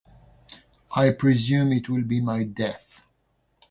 I presume it will be my death.